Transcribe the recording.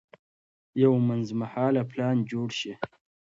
یو منځمهاله پلان جوړ شي.